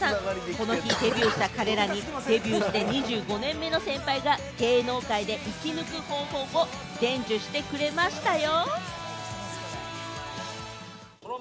この日デビューした彼らにデビューして２５年目の先輩が芸能界で生き抜く方法を伝授してくれましたよ。